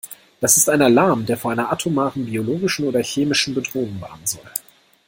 Das ist ein Alarm, der vor einer atomaren, biologischen oder chemischen Bedrohung warnen soll.